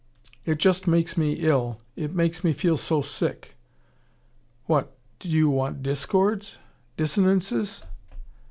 It just makes me ill. It makes me feel so sick." "What do you want discords? dissonances?"